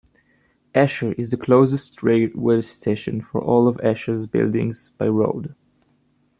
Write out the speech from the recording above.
Esher is the closest railway station for all of Esher's buildings by road.